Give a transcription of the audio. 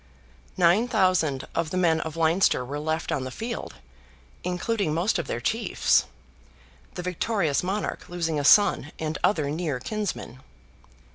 Nine thousand of the men of Leinster were left on the field, including most of their chiefs; the victorious monarch losing a son, and other near kinsmen.